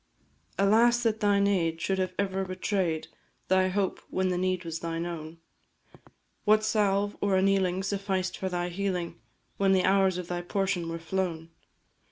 Alas, that thine aid should have ever betray'd Thy hope when the need was thine own; What salve or annealing sufficed for thy healing When the hours of thy portion were flown?